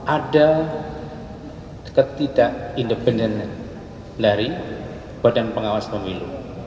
ada ketidak independen dari badan pengawas pemilu